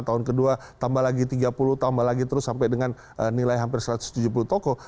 tahun kedua tambah lagi tiga puluh tambah lagi terus sampai dengan nilai hampir satu ratus tujuh puluh toko